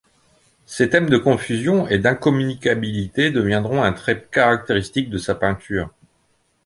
Ces thèmes de confusion et d'incommunicabilité deviendront un trait caractéristique de sa peinture.